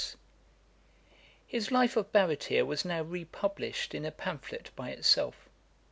[Dagger] His Life of Baretier was now re published in a pamphlet by itself.